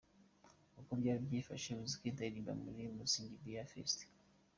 Uko byari byifashe Wizkid aririmba muri Mutzig Beer Fest.